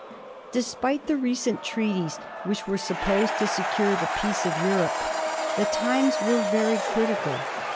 Despite the recent treaties which were supposed to secure the peace of Europe, the times were very critical.